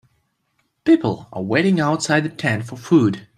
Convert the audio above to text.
People are waiting outside the tent for food